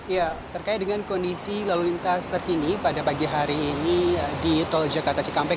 ya terkait dengan kondisi lalu lintas terkini pada pagi hari ini di tol jakarta cikampek